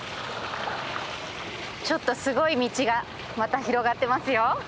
ちょっとすごい道がまた広がってますよ。